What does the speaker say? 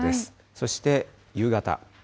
そして夕方。